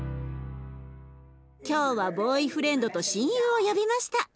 今日はボーイフレンドと親友を呼びました。